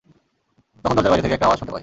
তখন দরজার বাইরে থেকে একটা আওয়াজ শুনতে পাই।